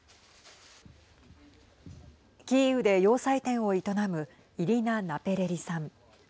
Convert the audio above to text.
キーウで洋裁店を営むイリナ・ナペレリさん。